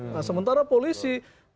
nah sementara polisi